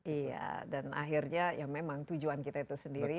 iya dan akhirnya ya memang tujuan kita itu sendiri